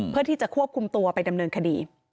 เพื่อที่จะควบคุมตัวไปดำเนินคดี